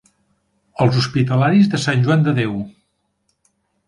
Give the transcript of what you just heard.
Els hospitalaris de Sant Joan de Déu.